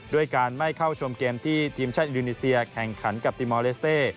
ด้วยการไม่เข้าชมเกมที่ทีมชาติอินโดนีเซียแข่งขันกับติมอลเลสเต้